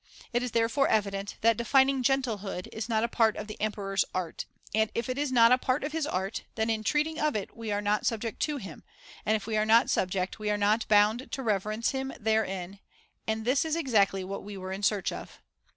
It is therefore evident that defining * gentlehood ' is not a part of the emperor's art, and if it is not a part of his art, then in treating of it we are not subject to him, and if we are not subject we are not bound to reverence him therein, and this is exactly what we were in search of.